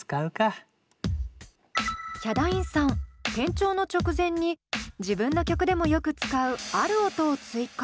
ヒャダインさん転調の直前に自分の曲でもよく使うある音を追加。